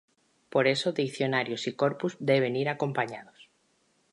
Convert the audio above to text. Por eso, diccionarios y corpus deben ir acompañados.